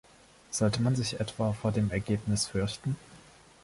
Sollte man sich etwa vor dem Ergebnis fürchten?